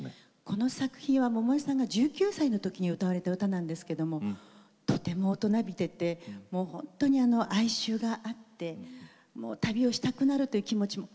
この作品は百恵さんが１９歳の時に歌われた歌なんですけどもとても大人びててもうほんとに哀愁があって旅をしたくなるという気持ちも。